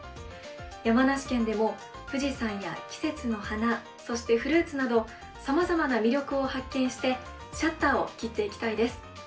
山梨県でも、富士山や季節の花そしてフルーツなどさまざまな魅力を発見してシャッターを切っていきたいです。